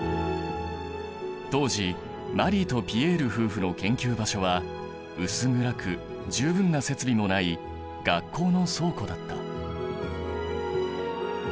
当時マリーとピエール夫婦の研究場所は薄暗く十分な設備もない学校の倉庫だった。